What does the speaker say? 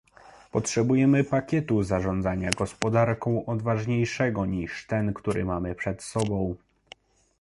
Potrzebujemy pakietu zarządzania gospodarką odważniejszego niż ten, który mamy przed sobą